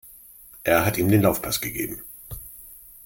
Er hat ihm den Laufpass gegeben.